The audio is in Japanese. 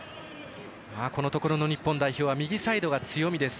このところの日本代表は右サイドは強みです。